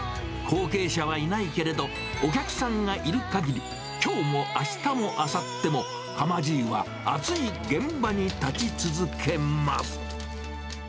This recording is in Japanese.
後継者はいないけれど、お客さんがいるかぎり、きょうもあしたもあさっても、かまじいは暑い現場に立ち続けます。